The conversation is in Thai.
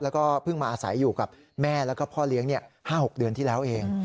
แล้วก็เพิ่งมาอาศัยอยู่กับแม่แล้วก็พ่อเลี้ยง๕๖เดือนที่แล้วเอง